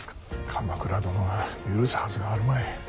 鎌倉殿が許すはずがあるまい。